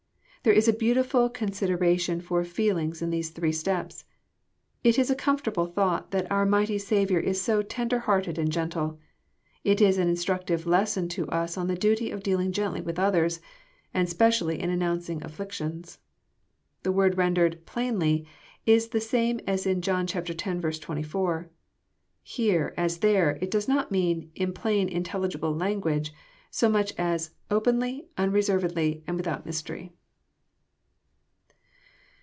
There is a beautifhl consideration for feelings in these three steps. It is a comfortable thought that our mighty Saviour is so tender hearted and gentle. It is an instructive lesson to us on the duty of dealing gently vrith others, and specially in announcing afflictions. The word rendered <* plainly" Is the same as in John z. 24. Here, as there, it does not mean << in plain, intelligible language " so much as " openly, unreservedly, and without mystery."